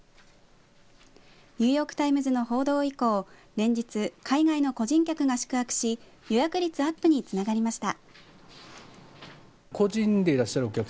ニューヨーク・タイムズの報道以降連日、海外の個人客が宿泊し予約率アップにつながりました。